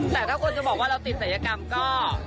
แต่ถ้าคนจะบอกว่าเราติดศัยกรรมก็